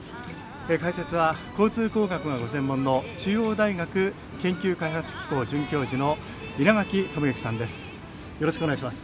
解説は交通工学がご専門の中央大学研究開発機構准教授の稲垣具志さんです。